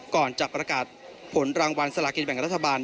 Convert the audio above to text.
ก่อนจะประกาศผลรางวัลสลากินแบ่งรัฐบาล